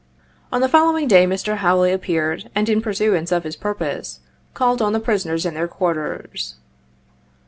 On the following day Mr. Hawley appeared, and in pursuance of his purpose, called on the prisoners in their quarters.